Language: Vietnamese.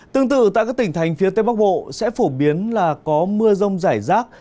tương tự tại các tỉnh thành phía tây bắc bộ sẽ phổ biến là có mưa rông rải rác